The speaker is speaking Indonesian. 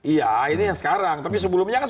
iya ini yang sekarang tapi sebelumnya kan